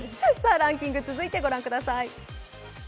ランキング続いてご覧ください。